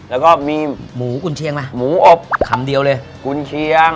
แล้วก็มีหมูกุญเชียงไหมหมูอบคำเดียวเลยกุญเชียง